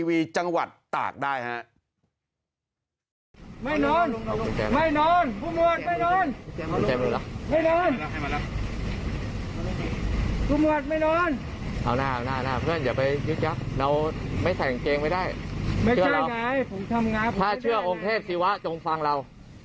ไม่ใช่ไงผมทำงานผมไม่ได้ถ้าเชื่อองเทพศิวะต้องฟังเรา